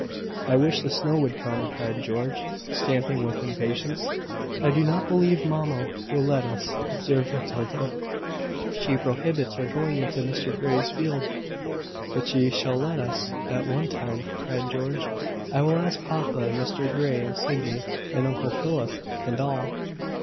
"I wish the snow would come," cried George, stamping with impatience. "I do not believe mamma will let us," observed Matilda. "She prohibits our going into Mr Grey's field." "But she shall let us, that one time," cried George. "I will ask papa, and Mr Grey, and Sydney, and Uncle Philip, and all.